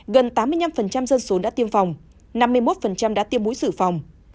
gần tám mươi năm dân số đã tiêm phòng năm mươi một đã tiêm búi xử phòng